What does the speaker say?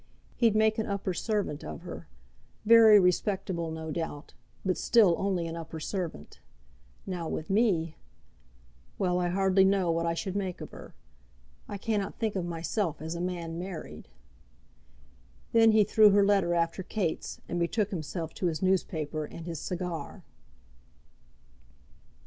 He'd make an upper servant of her; very respectable, no doubt, but still only an upper servant. Now with me; well, I hardly know what I should make of her. I cannot think of myself as a man married." Then he threw her letter after Kate's, and betook himself to his newspaper and his cigar.